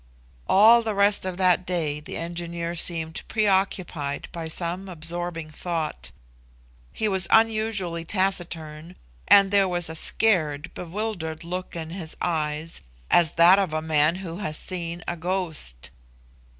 All the rest of that day the engineer seemed preoccupied by some absorbing thought. He was unusually taciturn, and there was a scared, bewildered look in his eyes, as that of a man who has seen a ghost.